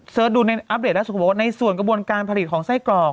เสิร์ชดูในอัพเดทแล้วเขาบอกว่าในส่วนกระโบณการผลิตของไส้กรอก